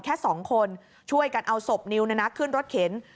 แค่๒คนช่วยกันเอาศพนิวขึ้นรถเข็น